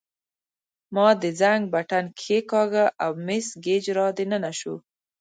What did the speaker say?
ما د زنګ بټن کښېکاږه او مس ګېج را دننه شوه.